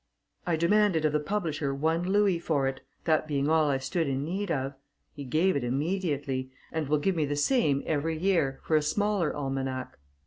I demanded of the publisher one louis for it, that being all I stood in need of. He gave it immediately, and will give me the same every year, for a similar almanac."